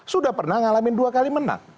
sudah pernah ngalamin dua kali menang